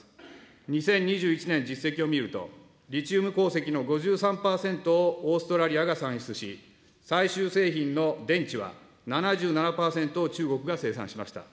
２０２１年実績を見ると、リチウム鉱石の５３％をオーストラリアが算出し、最終製品の電池は７７％を中国が生産しました。